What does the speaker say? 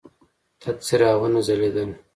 تت څراغونه ځلېدل.